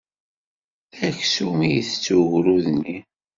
D aksum i itett ugrud-nni.